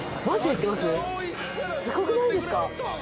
すごくないですか？